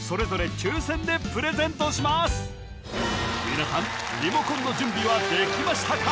皆さんリモコンの準備はできましたか？